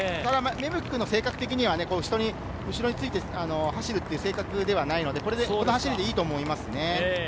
芽吹君の性格的には人の後ろについて走るという性格ではないので、これでいいと思います。